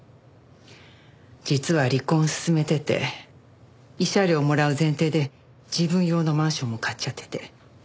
実は離婚進めてて慰謝料もらう前提で自分用のマンションも買っちゃってて。